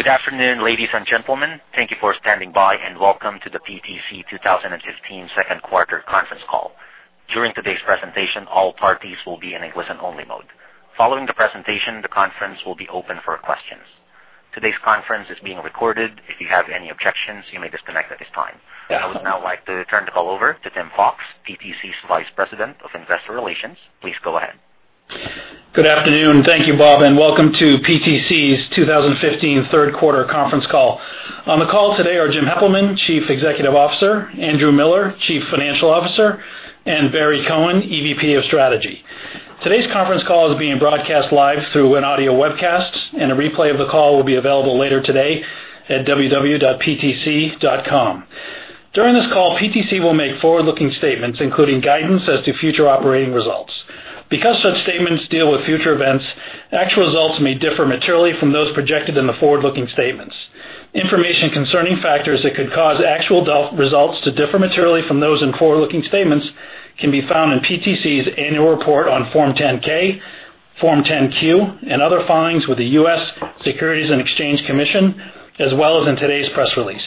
Good afternoon, ladies and gentlemen. Thank you for standing by, and welcome to the PTC 2015 second quarter conference call. During today's presentation, all parties will be in a listen-only mode. Following the presentation, the conference will be open for questions. Today's conference is being recorded. If you have any objections, you may disconnect at this time. I would now like to turn the call over to Tim Fox, PTC's Vice President of Investor Relations. Please go ahead. Good afternoon. Thank you, Bob, and welcome to PTC's 2015 third quarter conference call. On the call today are Jim Heppelmann, Chief Executive Officer, Andrew Miller, Chief Financial Officer, and Barry Cohen, EVP of Strategy. Today's conference call is being broadcast live through an audio webcast. A replay of the call will be available later today at www.ptc.com. During this call, PTC will make forward-looking statements, including guidance as to future operating results. Because such statements deal with future events, actual results may differ materially from those projected in the forward-looking statements. Information concerning factors that could cause actual results to differ materially from those in forward-looking statements can be found in PTC's annual report on Form 10-K, Form 10-Q, and other filings with the U.S. Securities and Exchange Commission, as well as in today's press release.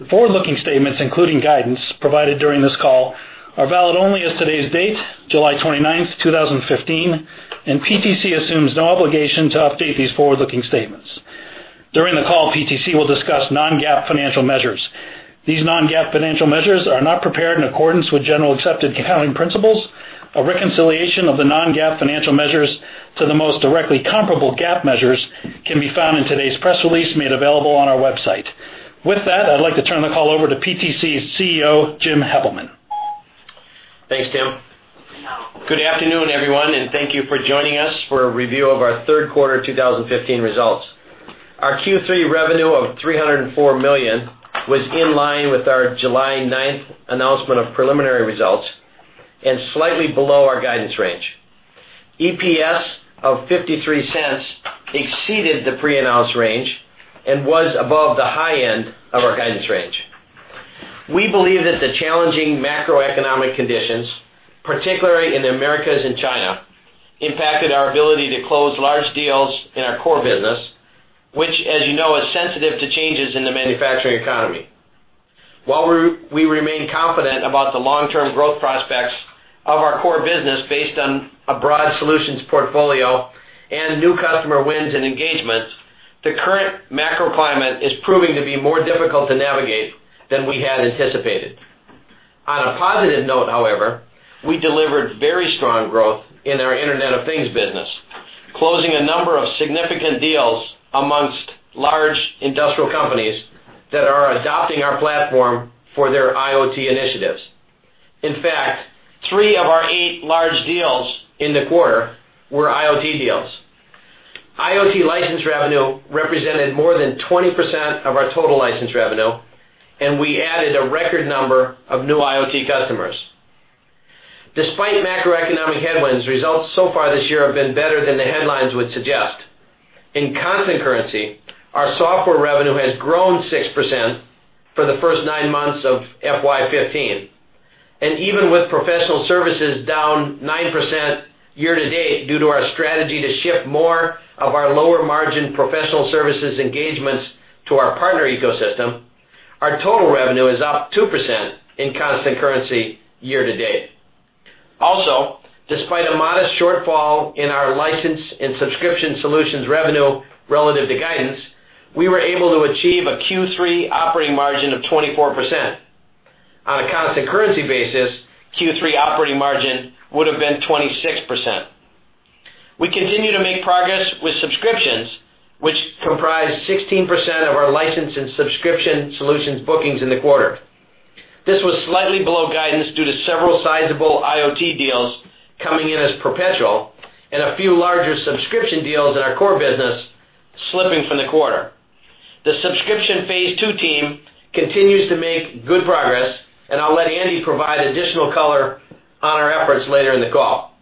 The forward-looking statements, including guidance provided during this call, are valid only as of today's date, July 29, 2015. PTC assumes no obligation to update these forward-looking statements. During the call, PTC will discuss non-GAAP financial measures. These non-GAAP financial measures are not prepared in accordance with generally accepted accounting principles. A reconciliation of the non-GAAP financial measures to the most directly comparable GAAP measures can be found in today's press release made available on our website. With that, I'd like to turn the call over to PTC's CEO, Jim Heppelmann. Thanks, Tim. Good afternoon, everyone, and thank you for joining us for a review of our third quarter 2015 results. Our Q3 revenue of $304 million was in line with our July 9th announcement of preliminary results. Slightly below our guidance range, EPS of $0.53 exceeded the pre-announced range and was above the high end of our guidance range. We believe that the challenging macroeconomic conditions, particularly in the Americas and China, impacted our ability to close large deals in our core business, which, as you know, is sensitive to changes in the manufacturing economy. While we remain confident about the long-term growth prospects of our core business based on a broad solutions portfolio and new customer wins and engagements, the current macro climate is proving to be more difficult to navigate than we had anticipated. On a positive note, however, we delivered very strong growth in our Internet of Things business, closing a number of significant deals amongst large industrial companies that are adopting our platform for their IoT initiatives. In fact, three of our eight large deals in the quarter were IoT deals. IoT license revenue represented more than 20% of our total license revenue, and we added a record number of new IoT customers. Despite macroeconomic headwinds, results so far this year have been better than the headlines would suggest. In constant currency, our software revenue has grown 6% for the first nine months of FY 2015. Even with professional services down 9% year-to-date, due to our strategy to shift more of our lower margin professional services engagements to our partner ecosystem, our total revenue is up 2% in constant currency year-to-date. Despite a modest shortfall in our license and subscription solutions revenue relative to guidance, we were able to achieve a Q3 operating margin of 24%. On a constant currency basis, Q3 operating margin would have been 26%. We continue to make progress with subscriptions, which comprise 16% of our license and subscription solutions bookings in the quarter. This was slightly below guidance due to several sizable IoT deals coming in as perpetual and a few larger subscription deals in our core business slipping from the quarter. The Subscription Phase Two team continues to make good progress, and I'll let Andy provide additional color on our efforts later in the call.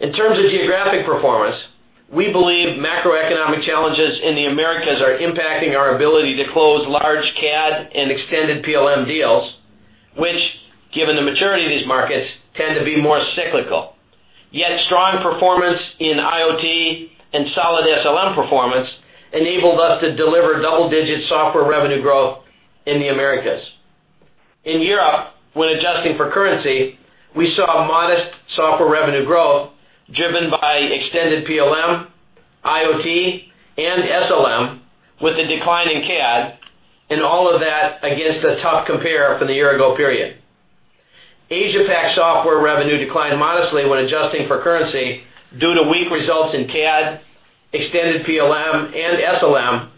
In terms of geographic performance, we believe macroeconomic challenges in the Americas are impacting our ability to close large CAD and extended PLM deals, which, given the maturity of these markets, tend to be more cyclical. Strong performance in IoT and solid SLM performance enabled us to deliver double-digit software revenue growth in the Americas. In Europe, when adjusting for currency, we saw modest software revenue growth driven by extended PLM, IoT, and SLM with a decline in CAD, and all of that against a tough compare for the year-ago period. Asia-PAC software revenue declined modestly when adjusting for currency due to weak results in CAD, extended PLM, and SLM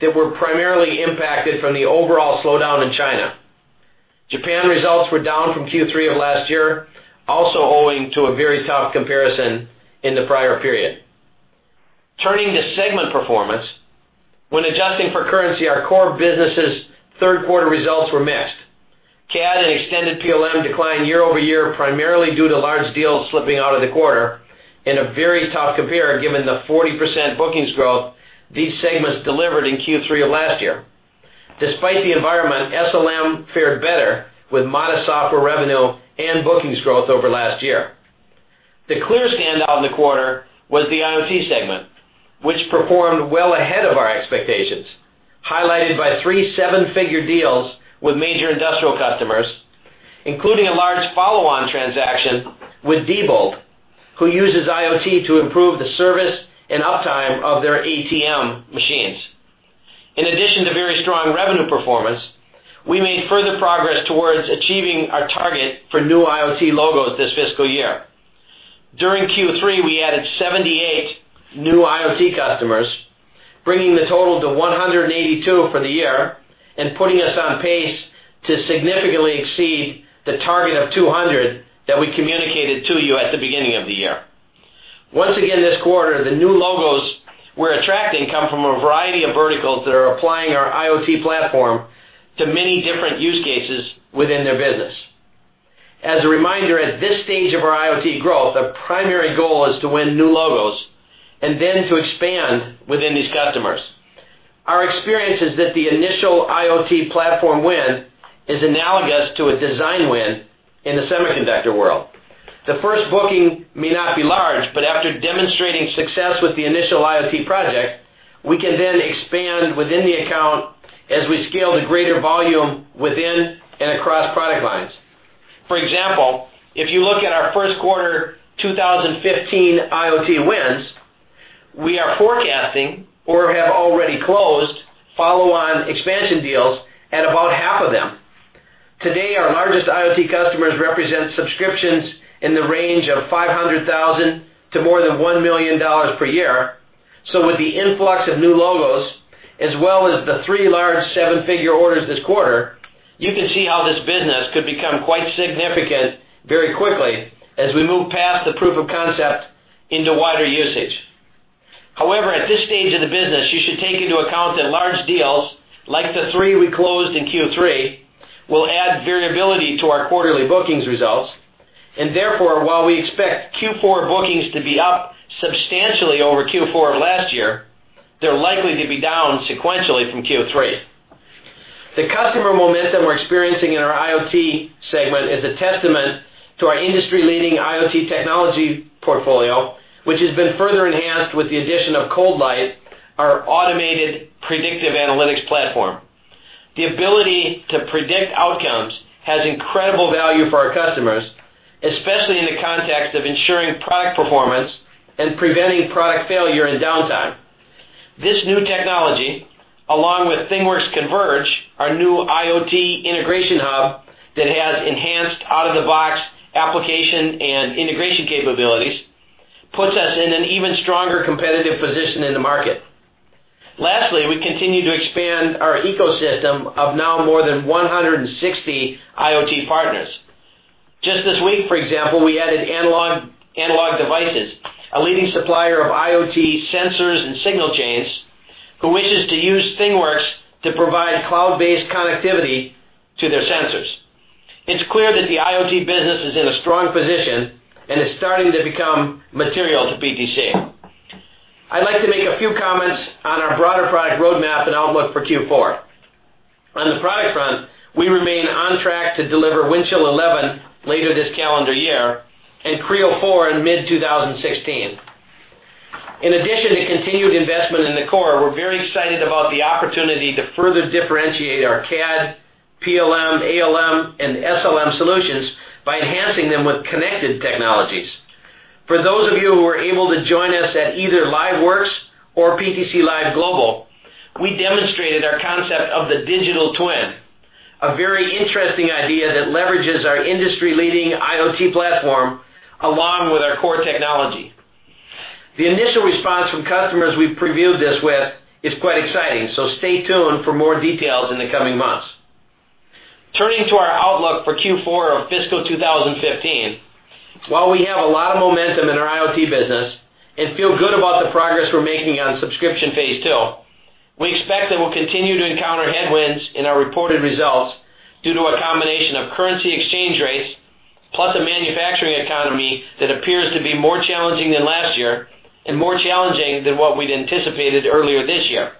that were primarily impacted from the overall slowdown in China. Japan results were down from Q3 of last year, also owing to a very tough comparison in the prior period. Turning to segment performance. When adjusting for currency, our core business's third quarter results were mixed. CAD and extended PLM declined year-over-year, primarily due to large deals slipping out of the quarter and a very tough compare given the 40% bookings growth these segments delivered in Q3 of last year. Despite the environment, SLM fared better with modest software revenue and bookings growth over last year. The clear standout in the quarter was the IoT segment, which performed well ahead of our expectations, highlighted by three seven-figure deals with major industrial customers, including a large follow-on transaction with Diebold, who uses IoT to improve the service and uptime of their ATM machines. In addition to very strong revenue performance, we made further progress towards achieving our target for new IoT logos this fiscal year. During Q3, we added 78 new IoT customers, bringing the total to 182 for the year and putting us on pace to significantly exceed the target of 200 that we communicated to you at the beginning of the year. Once again this quarter, the new logos we're attracting come from a variety of verticals that are applying our IoT platform to many different use cases within their business. As a reminder, at this stage of our IoT growth, our primary goal is to win new logos and then to expand within these customers. Our experience is that the initial IoT platform win is analogous to a design win in the semiconductor world. The first booking may not be large, but after demonstrating success with the initial IoT project, we can then expand within the account as we scale to greater volume within and across product lines. For example, if you look at our first quarter 2015 IoT wins, we are forecasting or have already closed follow-on expansion deals at about half of them. Today, our largest IoT customers represent subscriptions in the range of $500,000 to more than $1 million per year. With the influx of new logos, as well as the three large seven-figure orders this quarter, you can see how this business could become quite significant very quickly as we move past the proof of concept into wider usage. However, at this stage of the business, you should take into account that large deals like the three we closed in Q3 will add variability to our quarterly bookings results, and therefore, while we expect Q4 bookings to be up substantially over Q4 of last year, they're likely to be down sequentially from Q3. The customer momentum we're experiencing in our IoT segment is a testament to our industry-leading IoT technology portfolio, which has been further enhanced with the addition of ColdLight, our automated predictive analytics platform. The ability to predict outcomes has incredible value for our customers, especially in the context of ensuring product performance and preventing product failure and downtime. This new technology, along with ThingWorx Converge, our new IoT integration hub that has enhanced out-of-the-box application and integration capabilities, puts us in an even stronger competitive position in the market. Lastly, we continue to expand our ecosystem of now more than 160 IoT partners. Just this week, for example, we added Analog Devices, a leading supplier of IoT sensors and signal chains, who wishes to use ThingWorx to provide cloud-based connectivity to their sensors. It's clear that the IoT business is in a strong position and is starting to become material to PTC. I'd like to make a few comments on our broader product roadmap and outlook for Q4. On the product front, we remain on track to deliver Windchill 11 later this calendar year and Creo 4 in mid-2016. In addition to continued investment in the core, we're very excited about the opportunity to further differentiate our CAD, PLM, ALM, and SLM solutions by enhancing them with connected technologies. For those of you who were able to join us at either LiveWorx or PTC Live Global, we demonstrated our concept of the digital twin, a very interesting idea that leverages our industry-leading IoT platform along with our core technology. The initial response from customers we've previewed this with is quite exciting, so stay tuned for more details in the coming months. Turning to our outlook for Q4 of fiscal 2015, while we have a lot of momentum in our IoT business and feel good about the progress we're making on Subscription Phase Two, we expect that we'll continue to encounter headwinds in our reported results due to a combination of currency exchange rates, plus a manufacturing economy that appears to be more challenging than last year and more challenging than what we'd anticipated earlier this year.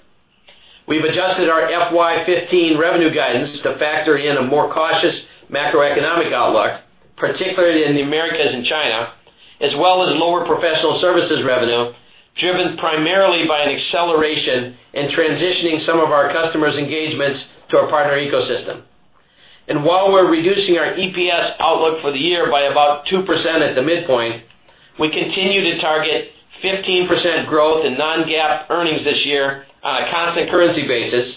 We've adjusted our FY 2015 revenue guidance to factor in a more cautious macroeconomic outlook, particularly in the Americas and China, as well as lower professional services revenue, driven primarily by an acceleration in transitioning some of our customers' engagements to our partner ecosystem. While we're reducing our EPS outlook for the year by about 2% at the midpoint, we continue to target 15% growth in non-GAAP earnings this year on a constant currency basis.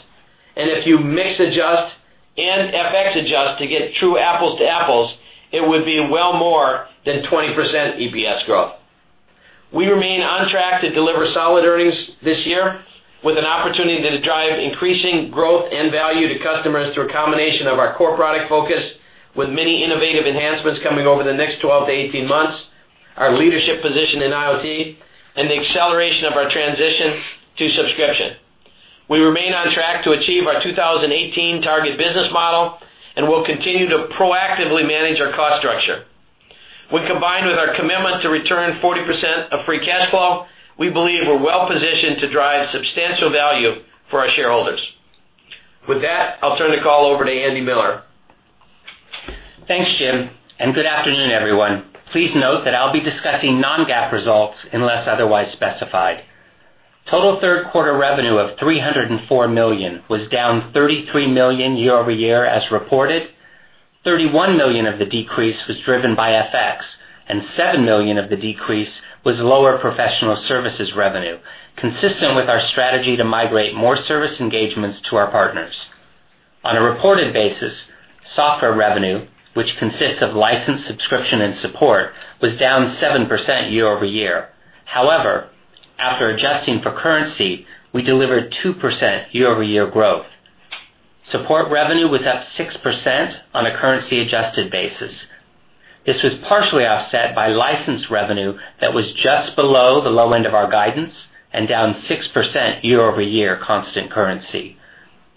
If you mix adjust and FX adjust to get true apples to apples, it would be well more than 20% EPS growth. We remain on track to deliver solid earnings this year with an opportunity to drive increasing growth and value to customers through a combination of our core product focus with many innovative enhancements coming over the next 12 to 18 months, our leadership position in IoT, and the acceleration of our transition to subscription. We remain on track to achieve our 2018 target business model, and we'll continue to proactively manage our cost structure. When combined with our commitment to return 40% of free cash flow, we believe we're well positioned to drive substantial value for our shareholders. With that, I'll turn the call over to Andy Miller. Thanks, Jim, and good afternoon, everyone. Please note that I'll be discussing non-GAAP results unless otherwise specified. Total third-quarter revenue of $304 million was down $33 million year-over-year as reported. $31 million of the decrease was driven by FX, and $7 million of the decrease was lower professional services revenue, consistent with our strategy to migrate more service engagements to our partners. On a reported basis, software revenue, which consists of licensed subscription and support, was down 7% year-over-year. However, after adjusting for currency, we delivered 2% year-over-year growth. Support revenue was up 6% on a currency-adjusted basis. This was partially offset by license revenue that was just below the low end of our guidance and down 6% year-over-year constant currency.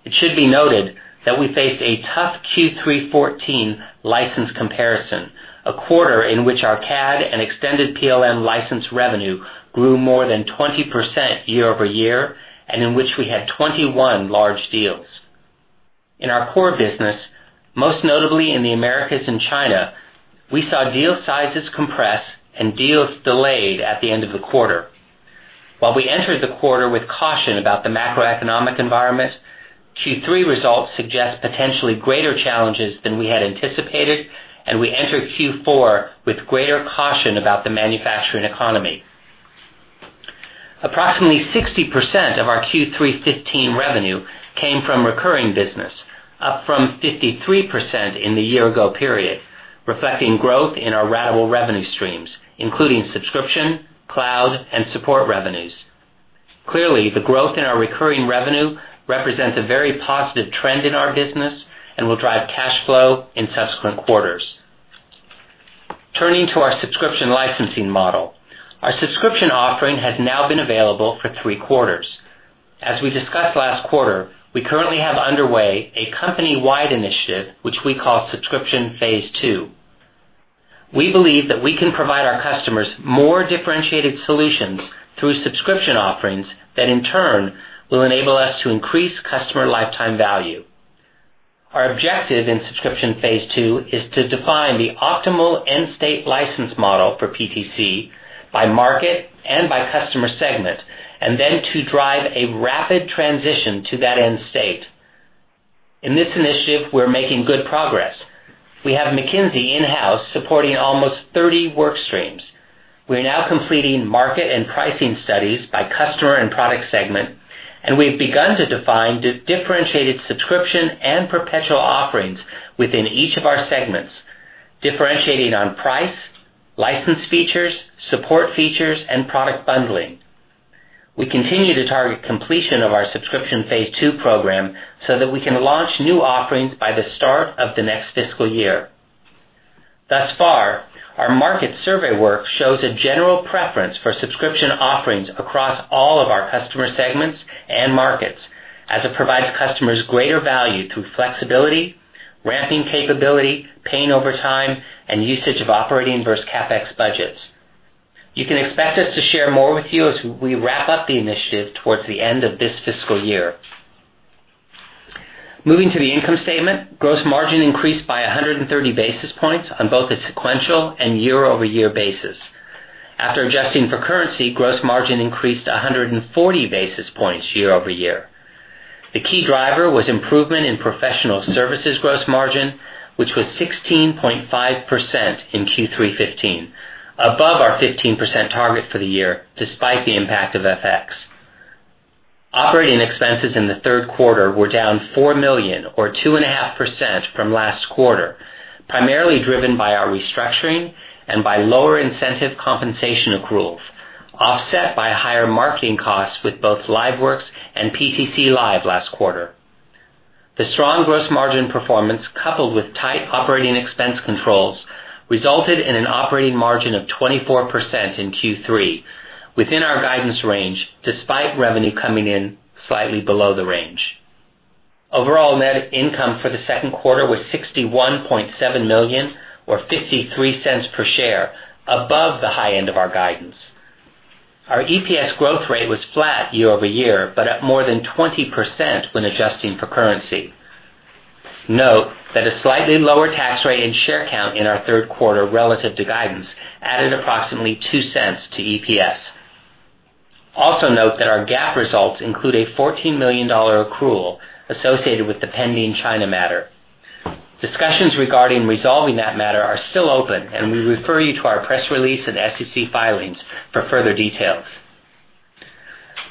It should be noted that we faced a tough Q3 2014 license comparison, a quarter in which our CAD and extended PLM license revenue grew more than 20% year-over-year, and in which we had 21 large deals. In our core business, most notably in the Americas and China, we saw deal sizes compress and deals delayed at the end of the quarter. While we entered the quarter with caution about the macroeconomic environment, Q3 results suggest potentially greater challenges than we had anticipated, and we enter Q4 with greater caution about the manufacturing economy. Approximately 60% of our Q3 2015 revenue came from recurring business, up from 53% in the year-ago period, reflecting growth in our ratable revenue streams, including subscription, cloud, and support revenues. Clearly, the growth in our recurring revenue represents a very positive trend in our business and will drive cash flow in subsequent quarters. Turning to our subscription licensing model. Our subscription offering has now been available for three quarters. As we discussed last quarter, we currently have underway a company-wide initiative, which we call Subscription Phase Two. We believe that we can provide our customers more differentiated solutions through subscription offerings that, in turn, will enable us to increase customer lifetime value. Our objective in Subscription Phase Two is to define the optimal end-state license model for PTC by market and by customer segment, then to drive a rapid transition to that end state. In this initiative, we're making good progress. We have McKinsey in-house supporting almost 30 work streams. We are now completing market and pricing studies by customer and product segment, and we've begun to define differentiated subscription and perpetual offerings within each of our segments, differentiating on price, license features, support features, and product bundling. We continue to target completion of our Subscription Phase Two program so that we can launch new offerings by the start of the next fiscal year. Thus far, our market survey work shows a general preference for subscription offerings across all of our customer segments and markets as it provides customers greater value through flexibility, ramping capability, paying over time, and usage of operating versus CapEx budgets. You can expect us to share more with you as we wrap up the initiative towards the end of this fiscal year. Moving to the income statement, gross margin increased by 130 basis points on both a sequential and year-over-year basis. After adjusting for currency, gross margin increased 140 basis points year-over-year. The key driver was improvement in professional services gross margin, which was 16.5% in Q3 2015, above our 15% target for the year, despite the impact of FX. Operating expenses in the third quarter were down $4 million or 2.5% from last quarter, primarily driven by our restructuring and by lower incentive compensation accruals, offset by higher marketing costs with both LiveWorx and PTC Live last quarter. The strong gross margin performance, coupled with tight operating expense controls, resulted in an operating margin of 24% in Q3, within our guidance range, despite revenue coming in slightly below the range. Overall net income for the second quarter was $61.7 million or $0.53 per share, above the high end of our guidance. Our EPS growth rate was flat year-over-year, but up more than 20% when adjusting for currency. Note that a slightly lower tax rate and share count in our third quarter relative to guidance added approximately $0.02 to EPS. Also note that our GAAP results include a $14 million accrual associated with the pending China matter. Discussions regarding resolving that matter are still open. We refer you to our press release and SEC filings for further details.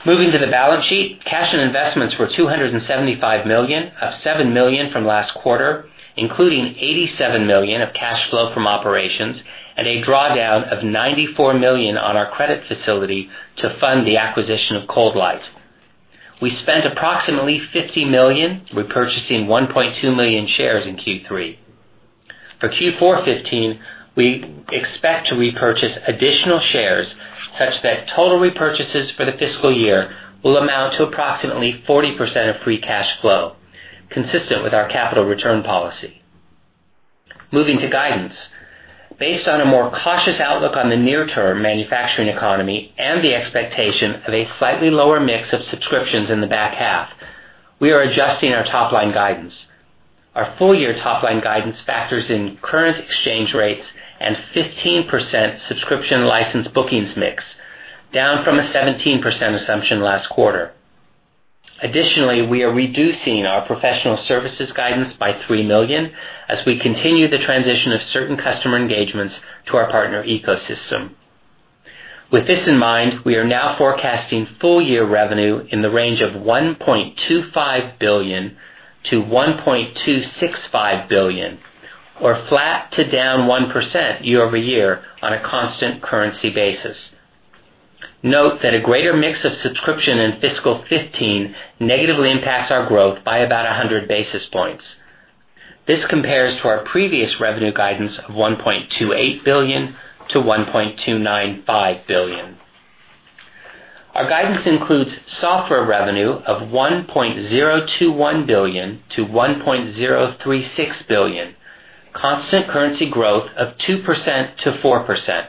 Moving to the balance sheet, cash and investments were $275 million, up $7 million from last quarter, including $87 million of cash flow from operations and a drawdown of $94 million on our credit facility to fund the acquisition of ColdLight. We spent approximately $50 million repurchasing 1.2 million shares in Q3. For Q4 2015, we expect to repurchase additional shares such that total repurchases for the fiscal year will amount to approximately 40% of free cash flow, consistent with our capital return policy. Moving to guidance. Based on a more cautious outlook on the near-term manufacturing economy and the expectation of a slightly lower mix of subscriptions in the back half, we are adjusting our top-line guidance. Our full-year top-line guidance factors in current exchange rates and 15% subscription license bookings mix, down from a 17% assumption last quarter. Additionally, we are reducing our professional services guidance by $3 million as we continue the transition of certain customer engagements to our partner ecosystem. With this in mind, we are now forecasting full-year revenue in the range of $1.25 billion-$1.265 billion, or flat to down 1% year-over-year on a constant currency basis. Note that a greater mix of subscription in fiscal 2015 negatively impacts our growth by about 100 basis points. This compares to our previous revenue guidance of $1.28 billion-$1.295 billion. Our guidance includes software revenue of $1.021 billion-$1.036 billion, constant currency growth of 2%-4%.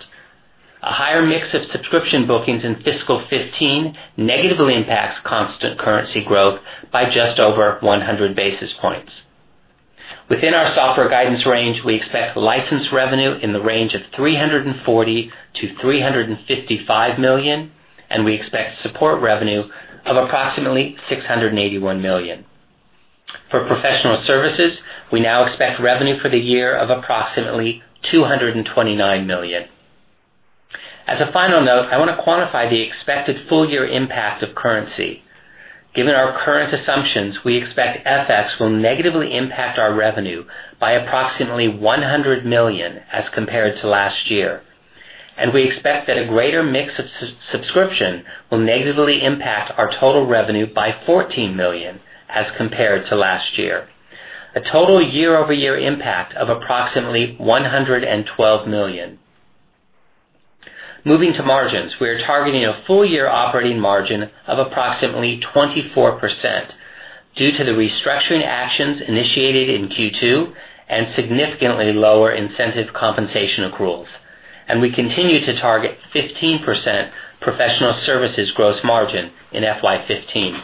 A higher mix of subscription bookings in fiscal 2015 negatively impacts constant currency growth by just over 100 basis points. Within our software guidance range, we expect license revenue in the range of $340 million-$355 million, and we expect support revenue of approximately $681 million. For professional services, we now expect revenue for the year of approximately $229 million. As a final note, I want to quantify the expected full-year impact of currency. Given our current assumptions, we expect FX will negatively impact our revenue by approximately $100 million as compared to last year. We expect that a greater mix of subscription will negatively impact our total revenue by $14 million as compared to last year. A total year-over-year impact of approximately $112 million. Moving to margins, we are targeting a full-year operating margin of approximately 24% due to the restructuring actions initiated in Q2 and significantly lower incentive compensation accruals. We continue to target 15% professional services gross margin in FY 2015.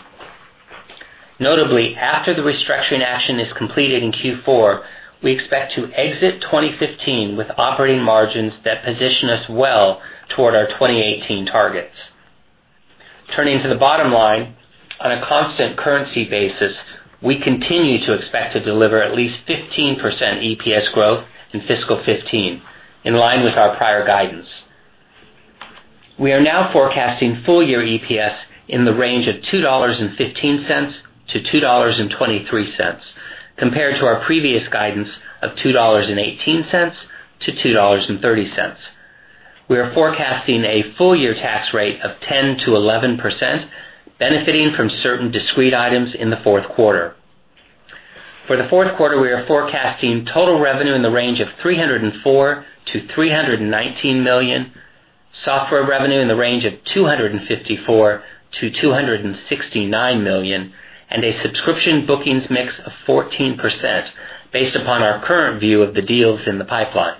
Notably, after the restructuring action is completed in Q4, we expect to exit 2015 with operating margins that position us well toward our 2018 targets. Turning to the bottom line, on a constant currency basis, we continue to expect to deliver at least 15% EPS growth in fiscal 2015, in line with our prior guidance. We are now forecasting full-year EPS in the range of $2.15-$2.23, compared to our previous guidance of $2.18-$2.30. We are forecasting a full-year tax rate of 10%-11%, benefiting from certain discrete items in the fourth quarter. For the fourth quarter, we are forecasting total revenue in the range of $304 million-$319 million, software revenue in the range of $254 million-$269 million, and a subscription bookings mix of 14% based upon our current view of the deals in the pipeline.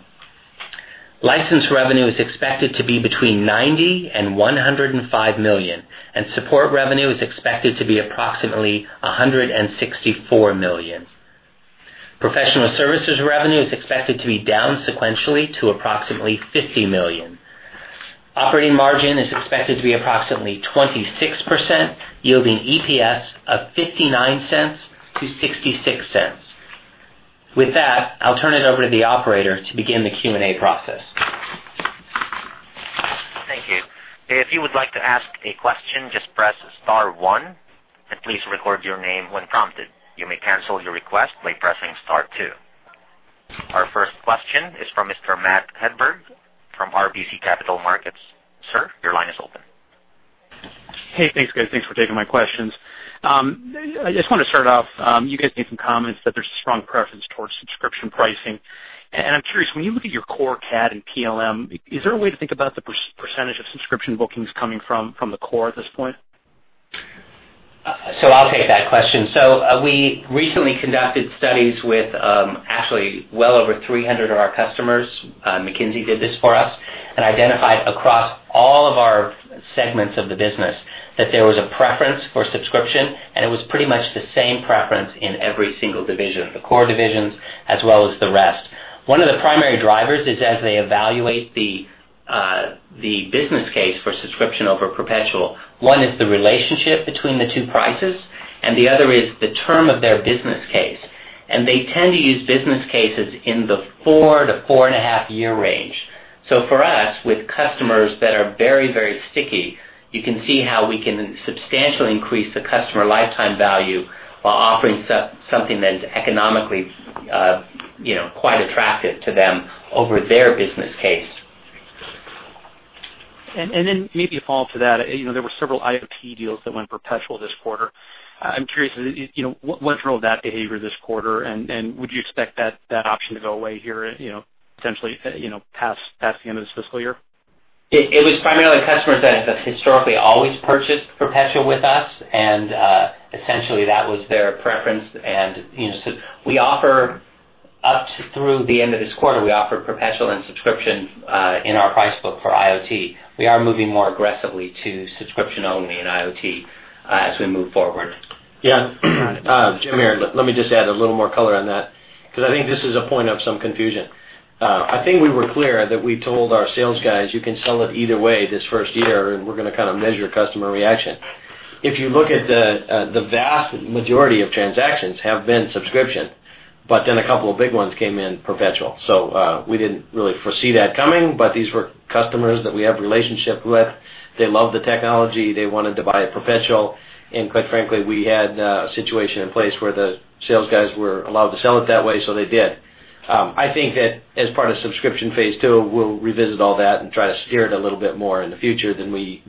License revenue is expected to be between $90 million and $105 million, and support revenue is expected to be approximately $164 million. Professional services revenue is expected to be down sequentially to approximately $50 million. Operating margin is expected to be approximately 26%, yielding EPS of $0.59-$0.66. With that, I'll turn it over to the operator to begin the Q&A process. Thank you. If you would like to ask a question, just press star one, and please record your name when prompted. You may cancel your request by pressing star two. Our first question is from Mr. Matthew Hedberg from RBC Capital Markets. Sir, your line is open. Hey, thanks, guys. Thanks for taking my questions. I just want to start off, you guys made some comments that there's strong preference towards subscription pricing, and I'm curious, when you look at your core CAD and PLM, is there a way to think about the % of subscription bookings coming from the core at this point? I'll take that question. We recently conducted studies with actually well over 300 of our customers, McKinsey did this for us, and identified across all of our segments of the business that there was a preference for subscription, and it was pretty much the same preference in every single division, the core divisions as well as the rest. One of the primary drivers is as they evaluate the business case for subscription over perpetual, one is the relationship between the two prices, and the other is the term of their business case. They tend to use business cases in the four to four and a half year range. For us, with customers that are very, very sticky, you can see how we can substantially increase the customer lifetime value while offering something that's economically quite attractive to them over their business case. Maybe a follow to that. There were several IoT deals that went perpetual this quarter. I'm curious, what's role of that behavior this quarter, and would you expect that option to go away here potentially past the end of this fiscal year? It was primarily customers that have historically always purchased perpetual with us, essentially that was their preference. Up to through the end of this quarter, we offer perpetual and subscription in our price book for IoT. We are moving more aggressively to subscription only in IoT as we move forward. Yeah. Jim here. Let me just add a little more color on that, because I think this is a point of some confusion. I think we were clear that we told our sales guys, "You can sell it either way this first year, we're going to kind of measure customer reaction." If you look at the vast majority of transactions have been subscription, a couple of big ones came in perpetual. We didn't really foresee that coming, these were customers that we have relationship with. They love the technology, they wanted to buy it perpetual, quite frankly, we had a situation in place where the sales guys were allowed to sell it that way, they did. I think that as part of Subscription Phase Two, we'll revisit all that and try to steer it a little bit more in the future than we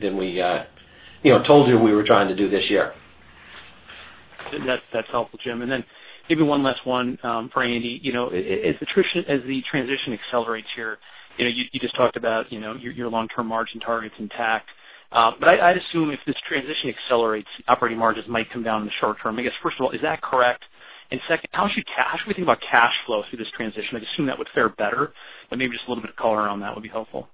told you we were trying to do this year. That's helpful, Jim. Maybe one last one for Andy. As the transition accelerates here, you just talked about your long-term margin targets intact. I'd assume if this transition accelerates, operating margins might come down in the short term. I guess, first of all, is that correct? Second, how should we think about cash flow through this transition? I'd assume that would fare better, maybe just a little bit of color around that would be helpful.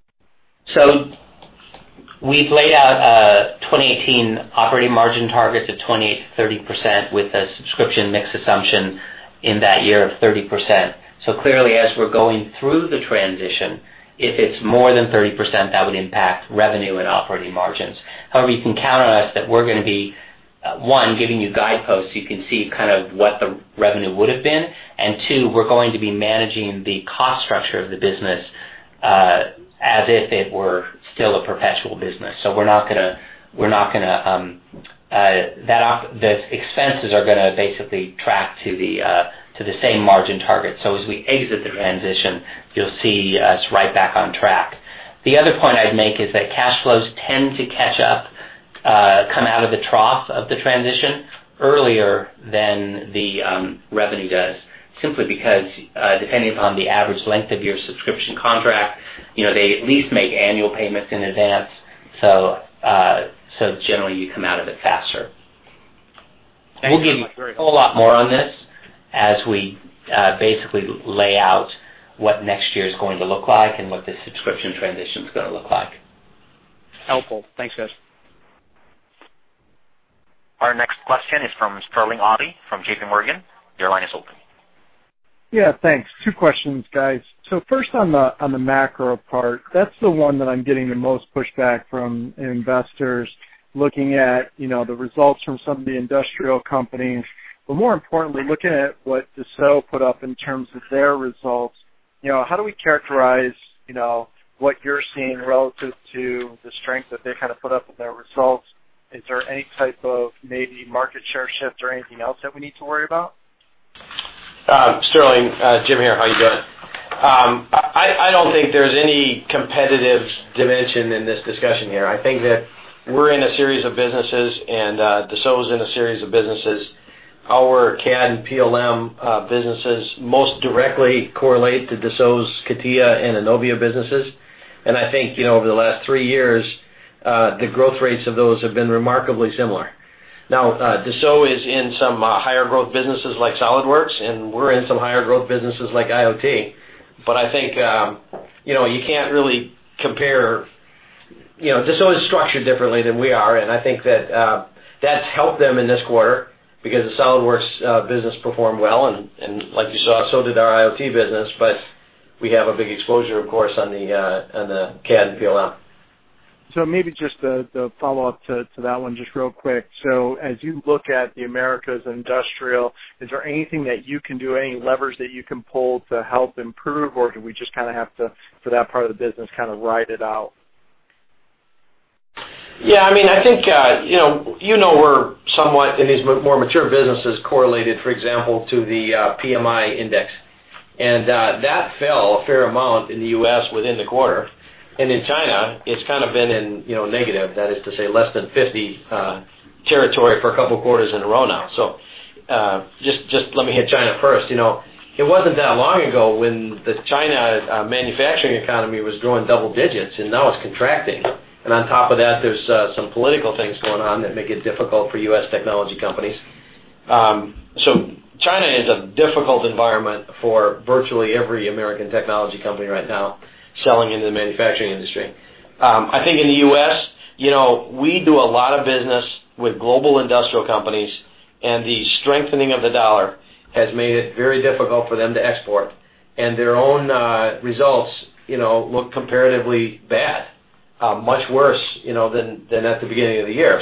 We've laid out 2018 operating margin targets of 20%-30% with a subscription mix assumption in that year of 30%. Clearly, as we're going through the transition, if it's more than 30%, that would impact revenue and operating margins. However, you can count on us that we're going to be, one, giving you guideposts so you can see kind of what the revenue would have been. Two, we're going to be managing the cost structure of the business, as if it were still a perpetual business. The expenses are going to basically track to the same margin target. As we exit the transition, you'll see us right back on track. The other point I'd make is that cash flows tend to catch up, come out of the trough of the transition earlier than the revenue does, simply because, depending upon the average length of your subscription contract, they at least make annual payments in advance. Generally, you come out of it faster. Thank you. We'll give a whole lot more on this as we basically lay out what next year is going to look like and what the subscription transition is going to look like. Helpful. Thanks, guys. Our next question is from Sterling Auty from JPMorgan. Your line is open. Yeah, thanks. Two questions, guys. First on the macro part. That's the one that I'm getting the most pushback from investors looking at the results from some of the industrial companies, but more importantly, looking at what Dassault put up in terms of their results. How do we characterize what you're seeing relative to the strength that they kind of put up in their results? Is there any type of maybe market share shift or anything else that we need to worry about? Sterling, Jim here. How you doing? I don't think there's any competitive dimension in this discussion here. I think that we're in a series of businesses, and Dassault is in a series of businesses. Our CAD and PLM businesses most directly correlate to Dassault's CATIA and ENOVIA businesses. I think over the last three years, the growth rates of those have been remarkably similar. Now, Dassault is in some higher growth businesses like SolidWorks, and we're in some higher growth businesses like IoT. I think you can't really compare. Dassault is structured differently than we are, and I think that's helped them in this quarter because the SolidWorks business performed well, and like you saw, so did our IoT business. We have a big exposure, of course, on the CAD and PLM. Maybe just the follow-up to that one, just real quick. As you look at the Americas industrial, is there anything that you can do, any levers that you can pull to help improve, or do we just kind of have to, for that part of the business, kind of ride it out? You know we're somewhat in these more mature businesses correlated, for example, to the PMI index, and that fell a fair amount in the U.S. within the quarter. In China, it's kind of been in negative, that is to say, less than 50 territory for a couple of quarters in a row now. Just let me hit China first. It wasn't that long ago when the China manufacturing economy was growing double digits, and now it's contracting. On top of that, there's some political things going on that make it difficult for U.S. technology companies. China is a difficult environment for virtually every American technology company right now selling into the manufacturing industry. I think in the U.S., we do a lot of business with global industrial companies, and the strengthening of the dollar has made it very difficult for them to export. Their own results look comparatively bad, much worse than at the beginning of the year.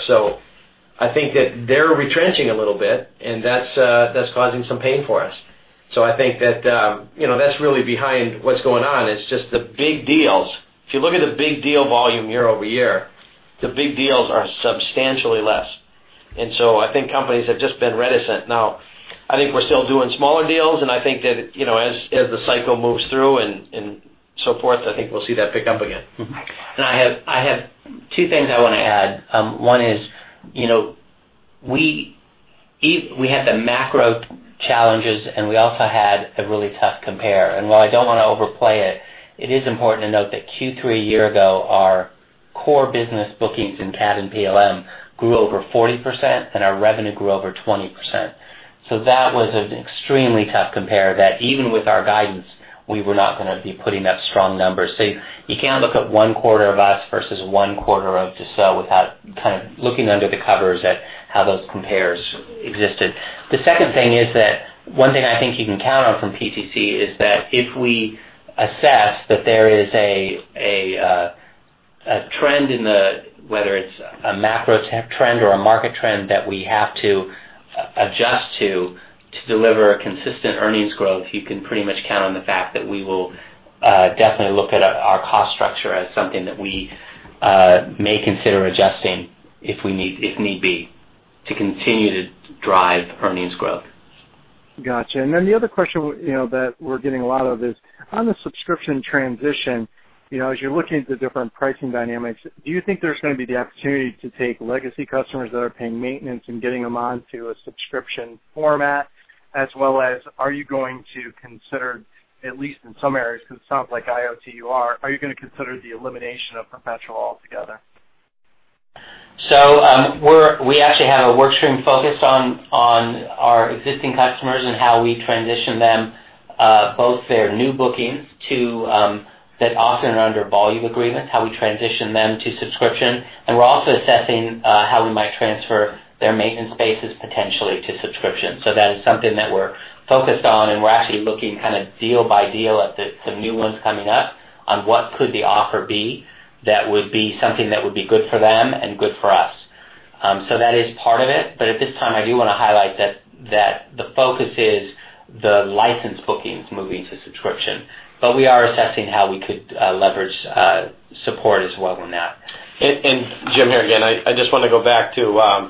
I think that they're retrenching a little bit, and that's causing some pain for us. I think that's really behind what's going on. It's just the big deals. If you look at the big deal volume year-over-year, the big deals are substantially less. I think companies have just been reticent. Now, I think we're still doing smaller deals, and I think that as the cycle moves through and so forth, I think we'll see that pick up again. I have two things I want to add. One is, we had the macro challenges, and we also had a really tough compare. While I don't want to overplay it is important to note that Q3 a year ago, our core business bookings in CAD and PLM grew over 40%, and our revenue grew over 20%. That was an extremely tough compare that even with our guidance, we were not going to be putting up strong numbers. You can't look at one quarter of us versus one quarter of Dassault without kind of looking under the covers at how those compares existed. The second thing is that one thing I think you can count on from PTC is that if we assess that there is a trend, whether it's a macro trend or a market trend, that we have to adjust to deliver a consistent earnings growth, you can pretty much count on the fact that we will definitely look at our cost structure as something that we may consider adjusting if need be to continue to drive earnings growth. Got you. The other question that we're getting a lot of is on the subscription transition, as you're looking at the different pricing dynamics, do you think there's going to be the opportunity to take legacy customers that are paying maintenance and getting them onto a subscription format? As well as, are you going to consider, at least in some areas, because it sounds like IoT you are you going to consider the elimination of perpetual altogether? We actually have a work stream focused on our existing customers and how we transition them, both their new bookings that often are under volume agreements, how we transition them to subscription. We're also assessing how we might transfer their maintenance bases potentially to subscription. That is something that we're focused on, and we're actually looking kind of deal by deal at some new ones coming up on what could the offer be that would be something that would be good for them and good for us. That is part of it. At this time, I do want to highlight that the focus is the license bookings moving to subscription. We are assessing how we could leverage support as well on that. Jim, here again, I just want to go back to,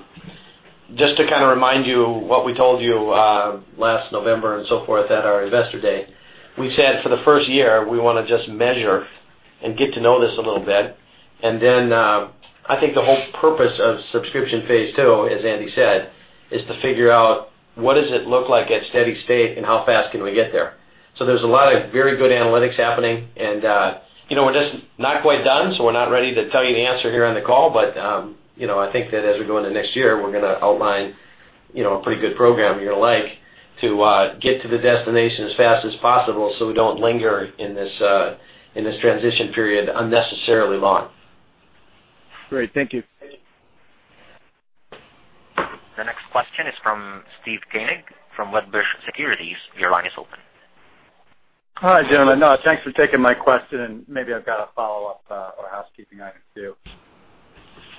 just to kind of remind you what we told you last November and so forth at our investor day. We said for the first year, we want to just measure and get to know this a little bit. I think the whole purpose of Subscription Phase Two, as Andy said, is to figure out what does it look like at steady state and how fast can we get there. There's a lot of very good analytics happening, and we're just not quite done, so we're not ready to tell you the answer here on the call. I think that as we go into next year, we're going to outline a pretty good program you're going to like to get to the destination as fast as possible so we don't linger in this transition period unnecessarily long. Great. Thank you. The next question is from Steve Koenig from Wedbush Securities. Your line is open. Hi, gentlemen. Thanks for taking my question. Maybe I've got a follow-up or a housekeeping item, too.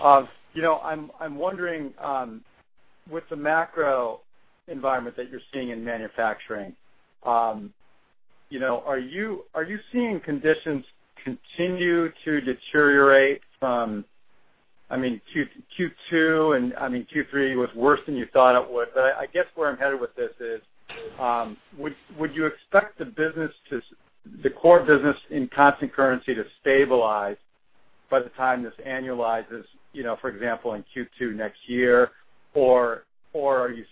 I'm wondering, with the macro environment that you're seeing in manufacturing, are you seeing conditions continue to deteriorate from Q3 was worse than you thought it would. I guess where I'm headed with this is, would you expect the core business in constant currency to stabilize by the time this annualizes, for example, in Q2 next year? Are you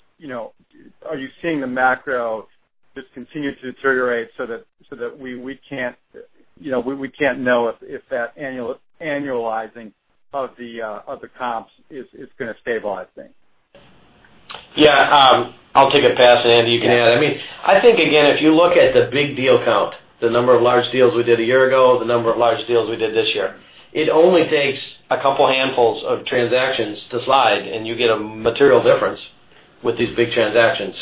seeing the macro just continue to deteriorate so that we can't know if that annualizing of the comps is going to stabilize things? Yeah. I'll take it pass it, Andy. You can add. I think, again, if you look at the big deal count, the number of large deals we did a year ago, the number of large deals we did this year. It only takes a couple handfuls of transactions to slide, and you get a material difference with these big transactions.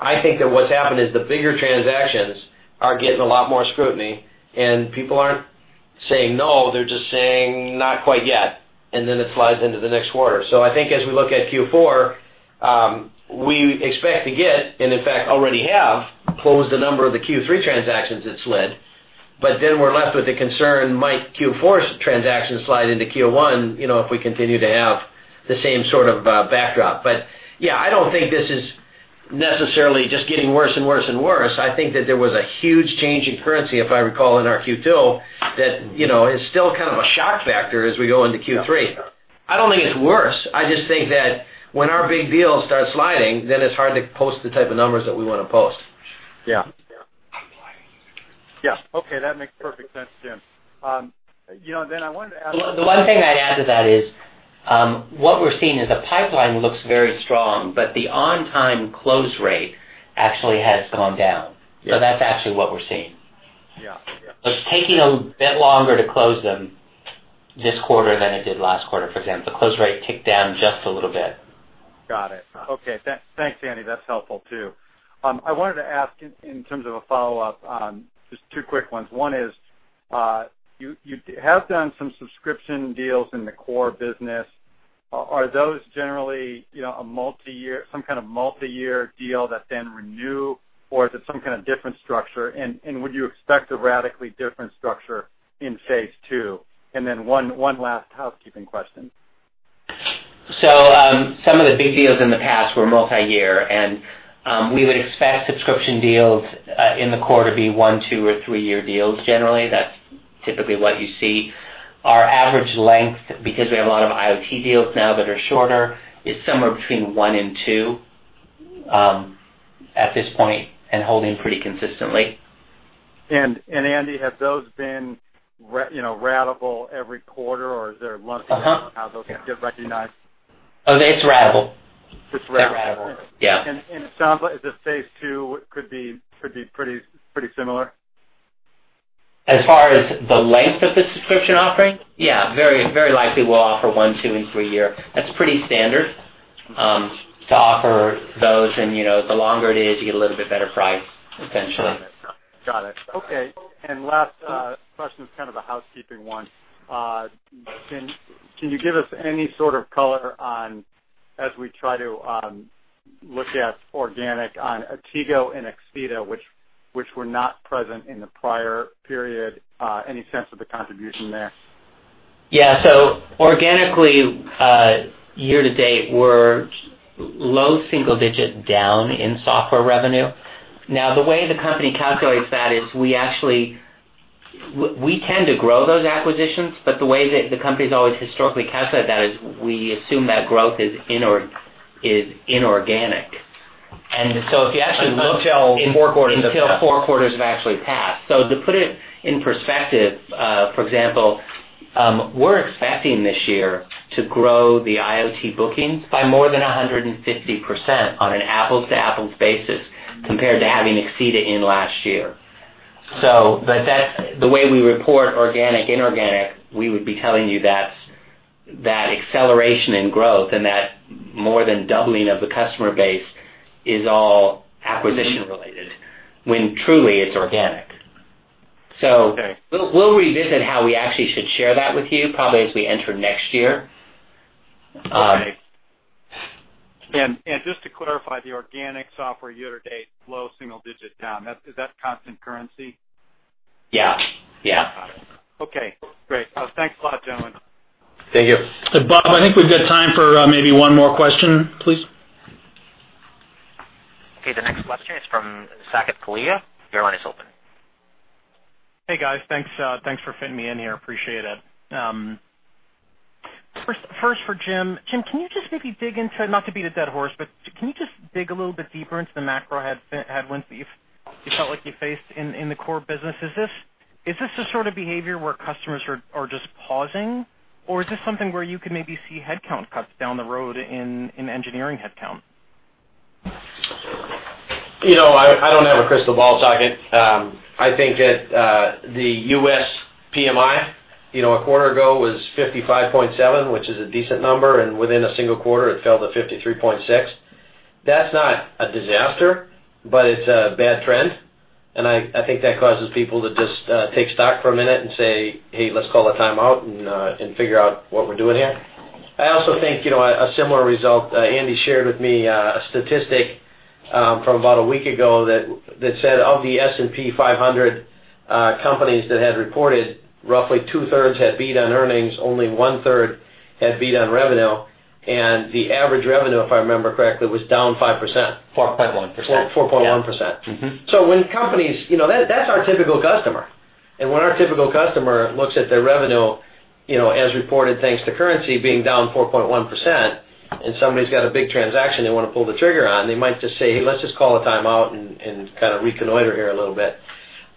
I think that what's happened is the bigger transactions are getting a lot more scrutiny, and people aren't saying no, they're just saying not quite yet, and then it slides into the next quarter. I think as we look at Q4, we expect to get, and in fact, already have closed a number of the Q3 transactions that slid. We're left with the concern, might Q4 transactions slide into Q1 if we continue to have the same sort of backdrop. Yeah, I don't think this is necessarily just getting worse and worse. I think that there was a huge change in currency, if I recall, in our Q2 that is still kind of a shock factor as we go into Q3. I don't think it's worse. I just think that when our big deals start sliding, then it's hard to post the type of numbers that we want to post. Yeah. Okay, that makes perfect sense, Jim. I wanted to ask. The one thing I'd add to that is, what we're seeing is the pipeline looks very strong, but the on-time close rate actually has gone down. Yeah. That's actually what we're seeing. Yeah. It's taking a bit longer to close them this quarter than it did last quarter, for example. Close rate ticked down just a little bit. Got it. Okay. Thanks, Andy. That's helpful too. I wanted to ask in terms of a follow-up, just two quick ones. One is, you have done some subscription deals in the core business. Are those generally some kind of multi-year deal that then renew, or is it some kind of different structure, and would you expect a radically different structure in Phase 2? Then one last housekeeping question. Some of the big deals in the past were multi-year, and we would expect subscription deals in the core to be one, two, or three-year deals, generally. That's typically what you see. Our average length, because we have a lot of IoT deals now that are shorter, is somewhere between one and two, at this point, and holding pretty consistently. Andy, have those been ratable every quarter, or is there a lump sum of how those get recognized? Oh, it's ratable. It's ratable. Yeah. It sounds like the Phase Two could be pretty similar? As far as the length of the subscription offering? Very likely we'll offer one, two, and three year. That's pretty standard, to offer those and the longer it is, you get a little bit better price, essentially. Got it. Okay. Last question is kind of a housekeeping one. Can you give us any sort of color on, as we try to look at organic on Atego and Axeda, which were not present in the prior period, any sense of the contribution there? Organically, year-to-date, we're low single digit down in software revenue. The way the company calculates that is we tend to grow those acquisitions, but the way that the company's always historically calculated that is we assume that growth is inorganic. If you actually look- Until four quarters have passed. Until four quarters have actually passed. To put it in perspective, for example, we're expecting this year to grow the IoT bookings by more than 150% on an apples-to-apples basis compared to having Axeda in last year. The way we report organic, inorganic, we would be telling you that acceleration in growth and that more than doubling of the customer base is all acquisition related, when truly it's organic. Okay. We'll revisit how we actually should share that with you probably as we enter next year. Okay. Just to clarify, the organic software year-to-date, low single digit down, is that constant currency? Yeah. Got it. Okay, great. Thanks a lot, gentlemen. Thank you. Bob, I think we've got time for maybe one more question, please. Okay, the next question is from Saket Kalia. Your line is open. Hey, guys. Thanks for fitting me in here. Appreciate it. First for Jim. Jim, can you just maybe dig into, not to beat a dead horse, but can you just dig a little bit deeper into the macro headwinds that you felt like you faced in the core business? Is this a sort of behavior where customers are just pausing, or is this something where you could maybe see headcount cuts down the road in engineering headcount? I don't have a crystal ball, Saket. I think that the U.S. PMI a quarter ago was 55.7, which is a decent number. Within a single quarter, it fell to 53.6. That's not a disaster, but it's a bad trend, and I think that causes people to just take stock for a minute and say, "Hey, let's call a timeout and figure out what we're doing here." I also think, a similar result, Andy shared with me a statistic from about a week ago that said of the S&P 500 companies that had reported, roughly two-thirds had beat on earnings, only one-third had beat on revenue. The average revenue, if I remember correctly, was down 5%. 4.1%. 4.1%. Yeah. Mm-hmm. That's our typical customer. When our typical customer looks at their revenue as reported, thanks to currency being down 4.1%, and somebody's got a big transaction they want to pull the trigger on, they might just say, "Hey, let's just call a timeout and kind of reconnoiter here a little bit."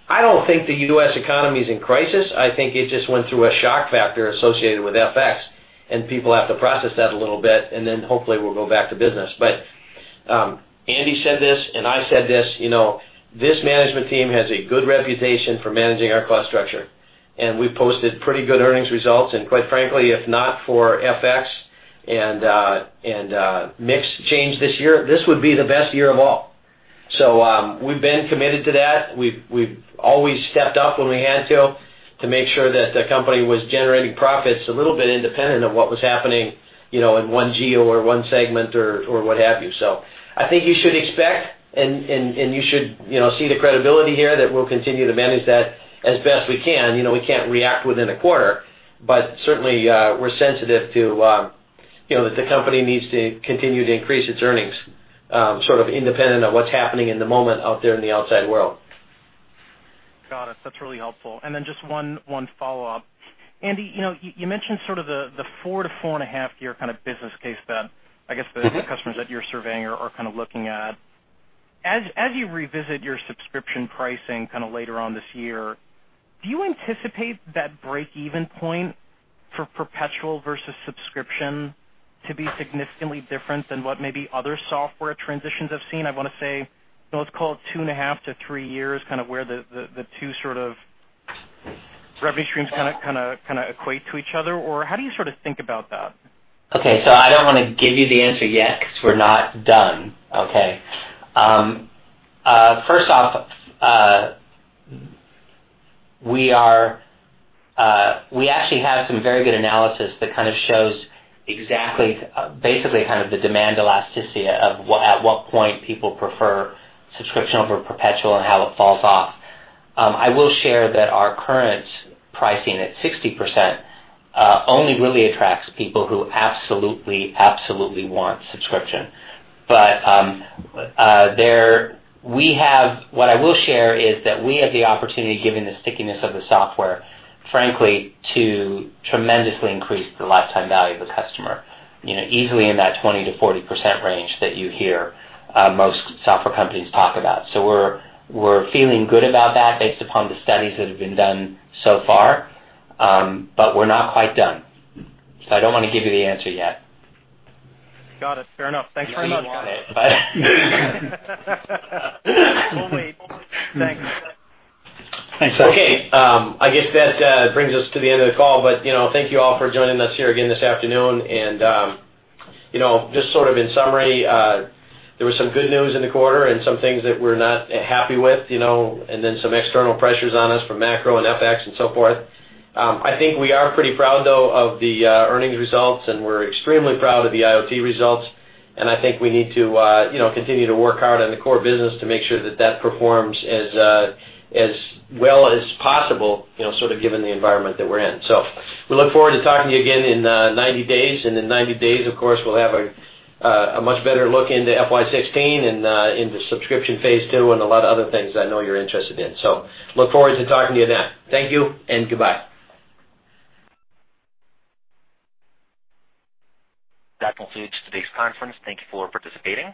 I don't think the U.S. economy's in crisis. I think it just went through a shock factor associated with FX, and people have to process that a little bit, and then hopefully we'll go back to business. Andy said this, and I said this. This management team has a good reputation for managing our cost structure. We've posted pretty good earnings results, and quite frankly, if not for FX and mix change this year, this would be the best year of all. We've been committed to that. We've always stepped up when we had to make sure that the company was generating profits a little bit independent of what was happening in one geo or one segment or what have you. I think you should expect and you should see the credibility here that we'll continue to manage that as best we can. We can't react within a quarter, but certainly, we're sensitive to that the company needs to continue to increase its earnings, sort of independent of what's happening in the moment out there in the outside world. Got it. That's really helpful. Then just one follow-up. Andy, you mentioned sort of the 4 to 4.5 year kind of business case that, I guess, the customers that you're surveying are kind of looking at. As you revisit your subscription pricing kind of later on this year, do you anticipate that break-even point for perpetual versus subscription to be significantly different than what maybe other software transitions have seen? I want to say, let's call it 2.5 to 3 years, kind of where the two sort of revenue streams kind of equate to each other, or how do you sort of think about that? Okay. I don't want to give you the answer yet because we're not done. Okay? First off, we actually have some very good analysis that kind of shows exactly, basically kind of the demand elasticity of at what point people prefer subscription over perpetual and how it falls off. I will share that our current pricing at 60% only really attracts people who absolutely want subscription. What I will share is that we have the opportunity, given the stickiness of the software, frankly, to tremendously increase the lifetime value of the customer. Easily in that 20%-40% range that you hear most software companies talk about. We're feeling good about that based upon the studies that have been done so far. We're not quite done. I don't want to give you the answer yet. Got it. Fair enough. Thanks very much. You know you want it, but We'll wait. Thanks. Thanks, Saket. Okay. I guess that brings us to the end of the call, but thank you all for joining us here again this afternoon, and just sort of in summary, there was some good news in the quarter and some things that we're not happy with, and then some external pressures on us from macro and FX and so forth. I think we are pretty proud, though, of the earnings results, and we're extremely proud of the IoT results. I think we need to continue to work hard on the core business to make sure that that performs as well as possible, sort of given the environment that we're in. We look forward to talking to you again in 90 days. In 90 days, of course, we'll have a much better look into FY16 and into Subscription Phase Two and a lot of other things I know you're interested in. Look forward to talking to you then. Thank you and goodbye. That concludes today's conference. Thank you for participating.